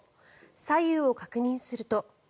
左右を確認すると。